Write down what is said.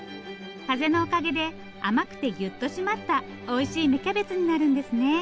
風のおかげで甘くてギュッと締まったおいしい芽キャベツになるんですね。